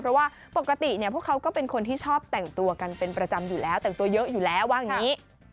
เพราะว่าปกติพวกเขาก็เป็นคนที่ชอบแต่งตัวกันเป็นประจำอยู่แล้วแต่งตัวเยอะอยู่แล้วว่าอย่างนี้